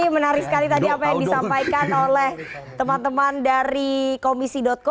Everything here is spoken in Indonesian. menarik sekali tadi apa yang disampaikan oleh teman teman dari komisi co